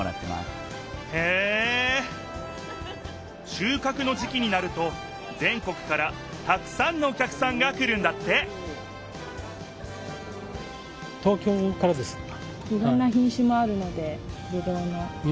しゅうかくの時期になると全国からたくさんのお客さんが来るんだってほんとだ！